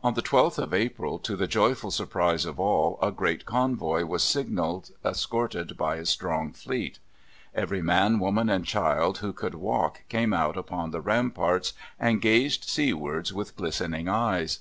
On the 12th of April, to the joyful surprise of all, a great convoy was signalled, escorted by a strong fleet. Every man, woman, and child who could walk came out upon the ramparts and gazed seawards with glistening eyes.